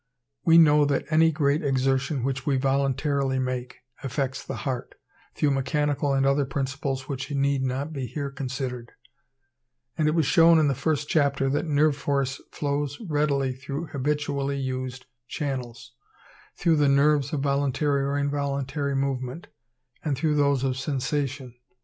We know that any great exertion which we voluntarily make, affects the heart, through mechanical and other principles which need not here be considered; and it was shown in the first chapter that nerve force flows readily through habitually used channels,—through the nerves of voluntary or involuntary movement, and through those of sensation.